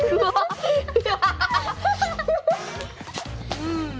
うん。